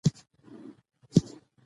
فاریاب د افغانستان د سیلګرۍ برخه ده.